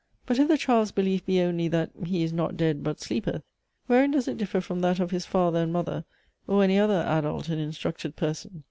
But if the child's belief be only, that "he is not dead, but sleepeth:" wherein does it differ from that of his father and mother, or any other adult and instructed person?